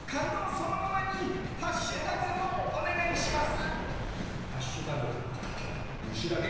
そのままにハッシュタグもお願いします！